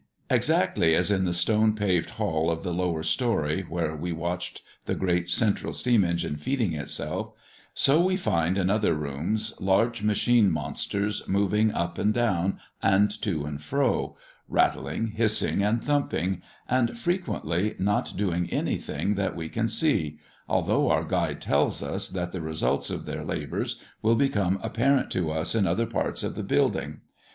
Exactly as in the stone paved hall of the lower story, where we watched the great central steam engine feeding itself, so we find in other rooms large machine monsters moving up and down, and to and fro, rattling, hissing, and thumping, and frequently not doing anything that we can see, although our guide tells us, that the results of their labours will become apparent to us in other parts of the building.